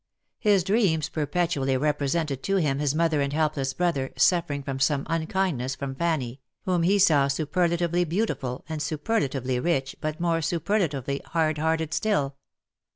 His dreams perpetually represented to him his mother and helpless brother, suffering from some unkindness from Fanny, whom he saw superlatively beautiful, and superlatively rich, but more superlatively hard hearted still.